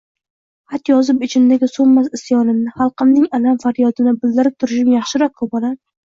xat yozib ichimdagi so’nmas isyonimni, xalqimning alam-faryodini bildirib turishim yaxshiroq-ku, bolam!